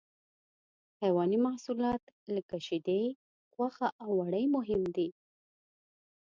حیواني محصولات لکه شیدې، غوښه او وړۍ مهم دي.